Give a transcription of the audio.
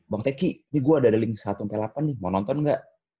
bang teh ki nih gue ada link satu delapan nih mau nonton nggak